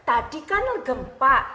ini kan gempa